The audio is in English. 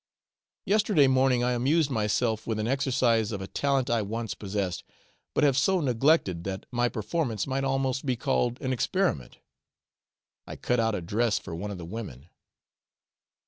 Yesterday morning I amused myself with an exercise of a talent I once possessed, but have so neglected that my performance might almost be called an experiment. I cut out a dress for one of the women.